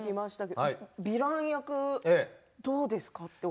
ヴィラン役、どうですか？